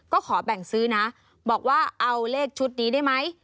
ก็ขอแบ่งซื้อนะบอกว่าเอาเลขชุดนี้ได้ไหม